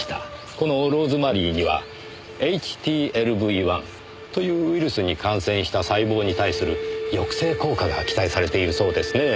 このローズマリーにはＨＴＬＶ‐１というウイルスに感染した細胞に対する抑制効果が期待されているそうですねえ。